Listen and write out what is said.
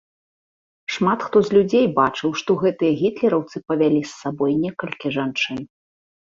Шмат хто з людзей бачыў, што гэтыя гітлераўцы павялі з сабой некалькі жанчын.